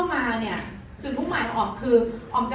อ๋อแต่มีอีกอย่างนึงค่ะ